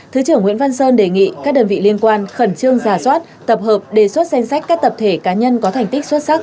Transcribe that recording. thứ trưởng nguyễn văn sơn đề nghị các đơn vị liên quan khẩn trương giả soát tập hợp đề xuất danh sách các tập thể cá nhân có thành tích xuất sắc